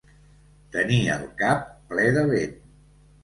Tenir el cap ple de vent.